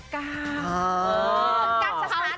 กลางจาก๙สู่เลข๗